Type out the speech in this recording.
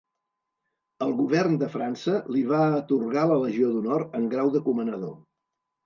El Govern de França li va atorgar la Legió d'Honor en grau de comanador.